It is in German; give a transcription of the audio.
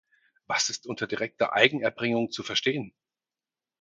Was ist unter direkter Eigenerbringung zu verstehen?